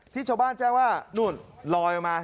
ที่ชาวบ้านแจ้งว่านู่นลอยมา